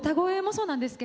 そうですね